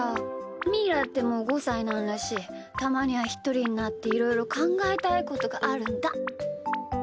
みーだってもう５さいなんだしたまにはひとりになっていろいろかんがえたいことがあるんだ。